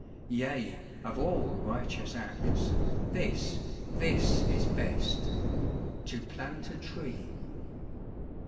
Yea, of all righteous acts, this, this is best, To plant a tree.